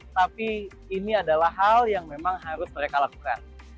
tapi ini adalah hal yang memang harus mereka lakukan